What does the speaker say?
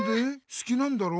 すきなんだろ？